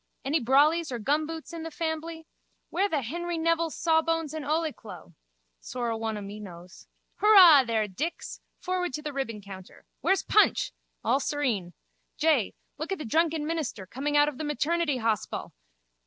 Any brollies or gumboots in the fambly? Where the Henry Nevil's sawbones and ole clo? Sorra one o' me knows. Hurrah there, Dix! Forward to the ribbon counter. Where's Punch? All serene. Jay, look at the drunken minister coming out of the maternity hospal!